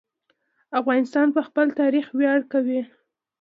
افغانان په خپل تاریخ ویاړ کوي.